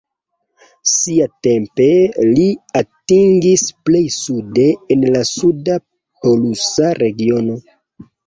Siatempe, li atingis plej sude en la suda polusa regiono.